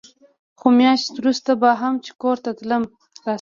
خو مياشت وروسته به هم چې کور ته تلم.